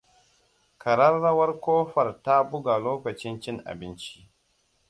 Ƙararrawar ƙofar ta buga lokacin cin abinci.